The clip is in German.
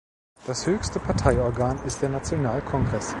Das höchste Parteiorgan ist der Nationalkongress.